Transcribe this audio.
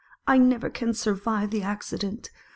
I never can survive the accident."